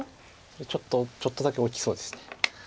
ちょっとちょっとだけ大きそうです。